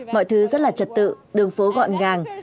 mọi thứ rất là trật tự đường phố gọn gàng